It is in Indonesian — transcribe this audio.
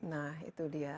nah itu dia